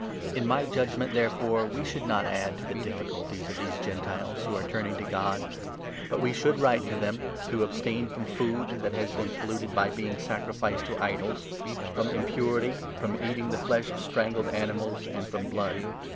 18 In my judgement, therefore, we should not add to the 19 difficulties of those Gentiles who are turning to God, but we 20 should write to them to abstain from food that has been polluted by being sacrificed to idols, from impurity, from eat ing the flesh of strangled animals, and from blood.